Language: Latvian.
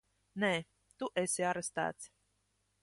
Nē! Tu esi arestēts!